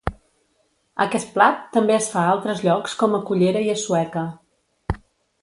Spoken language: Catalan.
Aquest plat també es fa a altres llocs com a Cullera i a Sueca.